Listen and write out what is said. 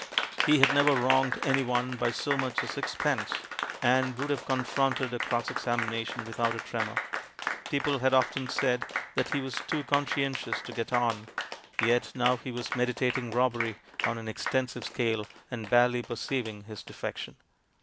He had never wronged anyone by so much as six pence, and could have confronted a cross exam ination without a tremor. People had often said that he was "too conscientious to get on." Yet WITH INTENT TO DEFRAUD 227 now he was meditating robbery on an extensive scale and barely perceiving his defection.